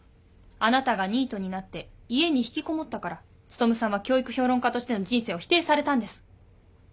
あなたがニートになって家に引きこもったから努さんは教育評論家としての人生を否定されたんです。